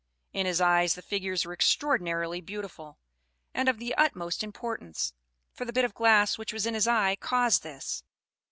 In his eyes the figures were extraordinarily beautiful, and of the utmost importance; for the bit of glass which was in his eye caused this.